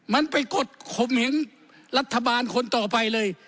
มันไปกดขมเห็นรัฐบาลคนต่อไปเลย